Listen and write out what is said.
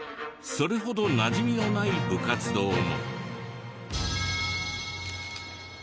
それほどなじみがない部活動も。